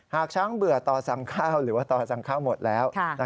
หากช้างเบื่อต่อสั่งข้าวหรือว่าต่อสั่งข้าวหมดแล้ว